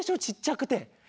ちっちゃくて。